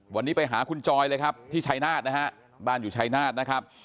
วันนี้ไปหาคุณจอยเลยครับที่ชายนาฏนะฮะบ้านอยู่ชายนาฏนะครับ